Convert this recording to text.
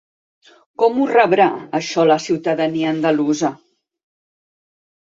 Com ho rebrà, això, la ciutadania andalusa?